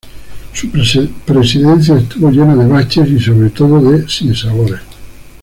Su presidencia estuvo llena de baches y sobre todo, de sinsabores.